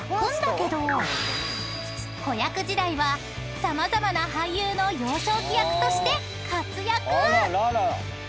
［子役時代は様々な俳優の幼少期役として活躍］